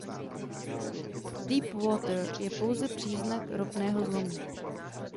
Deepwater je pouze příznak ropného zlomu.